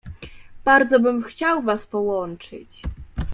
Bardzo bym chciał was połączyć.